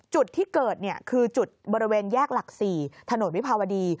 จุดที่เกิดคือจุดบริเวณแยกหลัก๔ถนนวิภาวดี